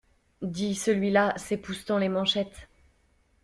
Dit celui-là, s'époussetant les manchettes.